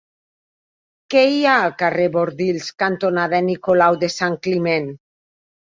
Què hi ha al carrer Bordils cantonada Nicolau de Sant Climent?